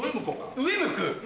上向く？